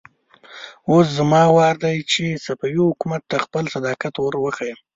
اوس زما وار دی چې صفوي حکومت ته خپل صداقت ور وښيم.